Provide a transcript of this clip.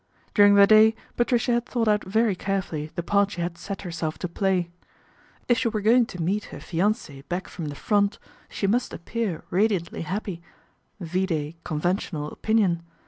During the day Patricia had thought out very carefully the part she had set herself to play. If she were going to meet her fiance" back from the Front, she must appear radiantly happy, vide conventional opinion.